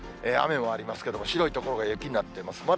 雨もありますけど、白い所が雪になっています。